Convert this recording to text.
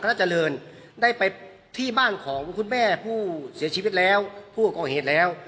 เจริญได้ไปที่บ้านของคุณแม่ผู้เสียชีวิตแล้วผู้ก่อเหตุแล้ว